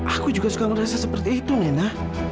aku juga suka merasa seperti itu na